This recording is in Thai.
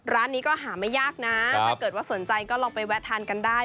ร้านนี้ก็หาไม่ยากนะถ้าเกิดว่าสนใจก็ลองไปแวะทานกันได้